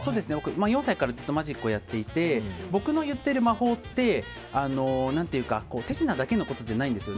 ４歳からずっとマジックをやっていて僕の言っている魔法は手品だけじゃないんです。